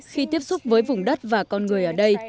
khi tiếp xúc với vùng đất và con người ở đây